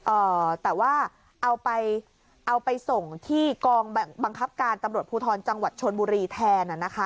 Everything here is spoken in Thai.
เอ่อแต่ว่าเอาไปเอาไปส่งที่กองบังคับการตำรวจภูทรจังหวัดชนบุรีแทนอ่ะนะคะ